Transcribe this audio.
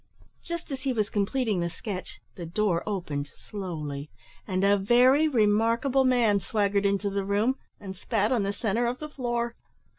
Just as he was completing the sketch, the door opened slowly, and a very remarkable man swaggered into the room, and spat on the centre of the floor.